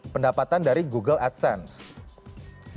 pendapatan dari google adsense